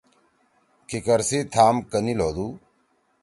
کِکر سی تھام کنیِل ہودُو۔